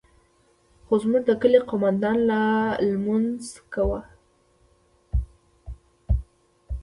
خو زموږ د کلي قومندان لا لمونځ کاوه.